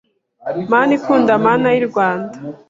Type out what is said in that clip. Mana ikunda Mana y' i Rwanda